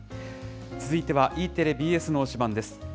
続いてはＥテレ、ＢＳの推しバンです。